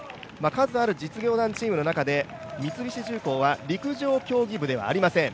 数ある実業団チームの中で三菱重工は、陸上競技部ではありません。